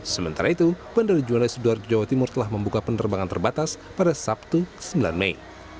sementara itu bandara juanda sidoarjo jawa timur telah membuka penerbangan terbatas pada sabtu sembilan mei